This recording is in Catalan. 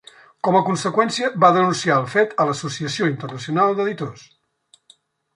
Com a conseqüència, va denunciar el fet a l'Associació Internacional d'Editors.